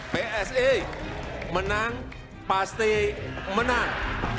pse menang pasti menang